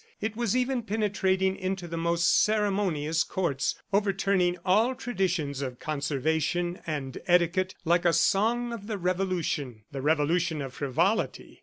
It was even penetrating into the most ceremonious courts, overturning all traditions of conservation and etiquette like a song of the Revolution the revolution of frivolity.